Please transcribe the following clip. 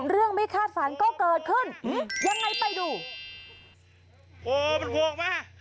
เรื่องไม่คาดฝันก็เกิดขึ้นหือยังไงไปดูโอ้มันโผล่ออกมา